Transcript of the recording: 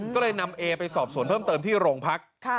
ก็เลยนำเอไปสอบสวนเพิ่มเติมที่โรงพัก